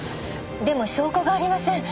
でも証拠がありません。